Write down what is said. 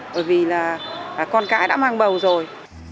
bởi vì là con cái đã mang bầu rồi